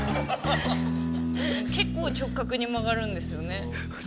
結構直角に曲がるんですよね。